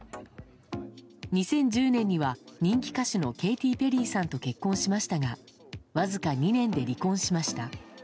２０１０年には人気歌手のケイティ・ペリーさんと結婚しましたがわずか２年で離婚しました。